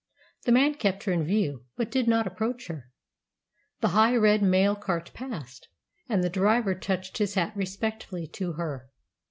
The man kept her in view, but did not approach her. The high, red mail cart passed, and the driver touched his hat respectfully to her.